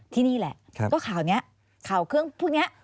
ที่นี่แหละก็ข่าวนี้ข่าวเครื่องพวกนี้